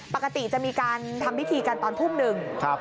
ปกติจะมีการทำพิธีกันตอนทุ่มหนึ่ง